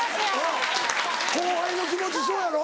うん後輩の気持ちそうやろ？